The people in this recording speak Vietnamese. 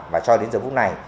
và cho đến giờ phút này